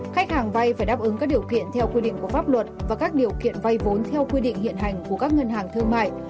khách hàng vay phải đáp ứng các điều kiện theo quy định của pháp luật và các điều kiện vay vốn theo quy định hiện hành của các ngân hàng thương mại